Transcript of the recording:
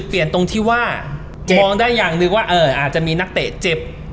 จุดเปลี่ยนตรงที่ว่ามองได้อย่างนึกว่าเอออาจจะมีนักเตะเจ็บ